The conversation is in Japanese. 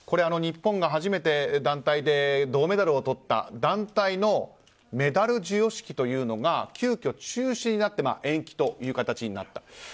日本が初めて団体で銅メダルをとった団体のメダル授与式というのが急きょ中止になって延期という形になった。